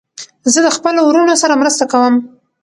زه د خپلو وروڼو سره مرسته کوم.